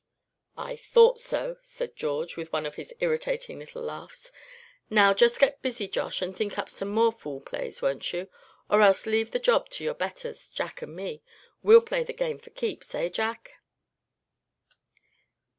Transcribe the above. "I thought so," said George, with one of his irritating little laughs. "Now just get busy, Josh, and think up some more fool plays, won't you? Or else leave the job to your betters, Jack'n me, we'll play the game for keeps, eh, Jack?"